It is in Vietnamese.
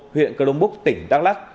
huyện cờ đông búc tỉnh đắk lắc